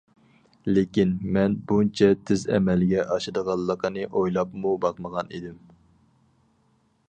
لېكىن، مەن بۇنچە تېز ئەمەلگە ئاشىدىغانلىقىنى ئويلاپمۇ باقمىغان ئىدىم.